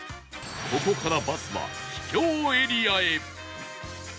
ここからバスは秘境エリアへ